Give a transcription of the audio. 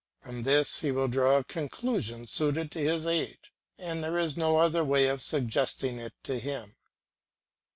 From this he will draw a conclusion suited to his age, and there is no other way of suggesting it to him.